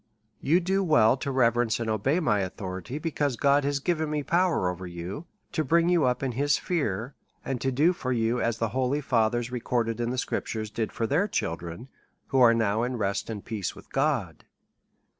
You do well to reverence and obey my authority, because God has given me power over you, to bring you up in his fear, and to do for you as the holy fa thers recorded in Scripture did for their children, who are now in rest and peace with God.